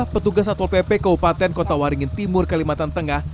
petugas atol pp kewapaten kota waringin timur kalimantan tengah